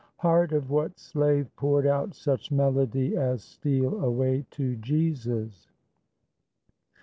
Heart of what slave poured out such melody As "Steal away to Jesus"?